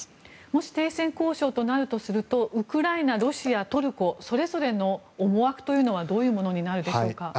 もし停戦交渉となるとするとウクライナ、ロシア、トルコそれぞれの思惑というのはどういうものになるでしょうか。